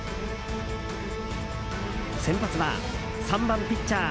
先発は３番ピッチャー